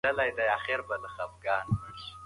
ځوانانو خپل بکسونه پر شا کړي وو او روان وو.